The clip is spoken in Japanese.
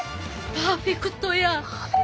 パーフェクト！